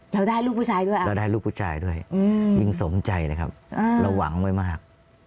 เราได้ลูกผู้ชายด้วยยิ่งสมใจนะครับเราหวังไว้มาก